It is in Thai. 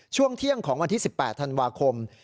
ช่วงเที่ยงของวันที่๑๘ธันวาคม